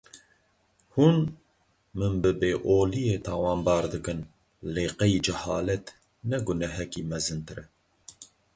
Hûn, min bi bêoliyê tawanbar dikin lê qey cehalet ne gunehekî mezintir e?